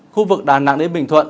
khu vực đà nẵng đến bình thuận